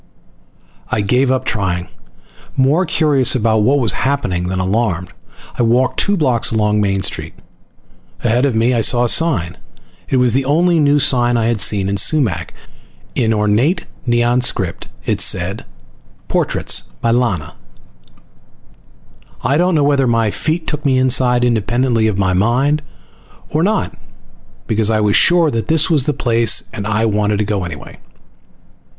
I gave up trying, more curious about what was happening than alarmed. I walked two blocks along Main Street. Ahead of me I saw a sign. It was the only new sign I had seen in Sumac. In ornate Neon script it said, "PORTRAITS by Lana." I don't know whether my feet took me inside independently of my mind or not, because I was sure that this was the place and I wanted to go in anyway.